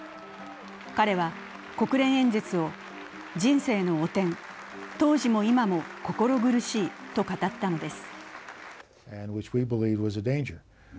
彼は国連演説を、人生の汚点、当時も今も心苦しいと語ったのです。